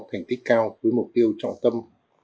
thành tích cao với mục tiêu trọng tâm